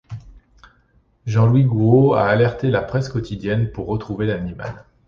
Jean-Louis Gouraud a alerté la presse quotidienne pour retrouver l'animal.